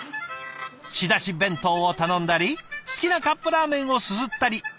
仕出し弁当を頼んだり好きなカップラーメンをすすったり。